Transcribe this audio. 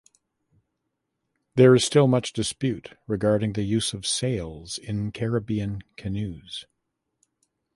These is still much dispute regarding the use of sails in Caribbean canoes.